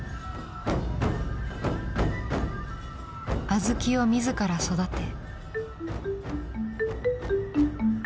小豆を自ら育て。